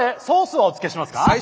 ソースはお付けしますか？